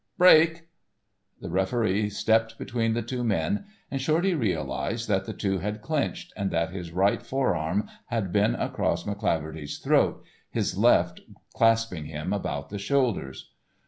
"Break!" The referee stepped between the two men and Shorty realised that the two had clinched, and that his right forearm had been across McCleaverty's throat, his left clasping him about the shoulders.